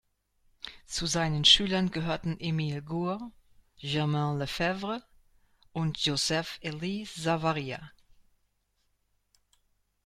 Zu seinen Schülern gehörten Émile Gour, Germain Lefebvre und Joseph-Élie Savaria.